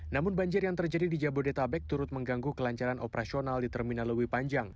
namun banjir yang terjadi di jabodetabek turut mengganggu kelancaran operasional di terminal lewi panjang